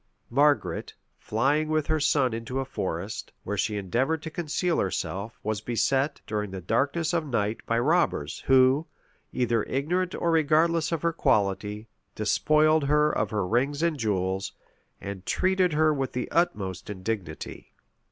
Margaret, flying with her son into a forest, where she endeavored to conceal herself, was beset, during the darkness of the night, by robbers, who, either ignorant or regardless of her quality, despoiled her of her rings and jewels, and treated her with the utmost indignity.